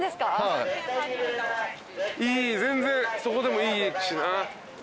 いい全然そこでもいいしな。